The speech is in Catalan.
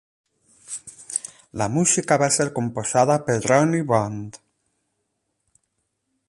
La música va ser composada per Ronnie Bond.